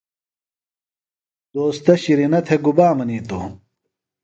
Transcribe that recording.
دوستہ شِرینہ تھےۡ گُبا منِیتوۡ ؟